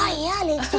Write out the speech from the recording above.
ah iya lepstik